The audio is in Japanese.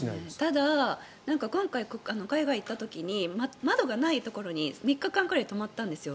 ただ今回、海外に行った時に窓がないところに３日間ぐらい泊まったんですよ。